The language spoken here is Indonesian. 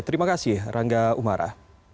terima kasih rangga umara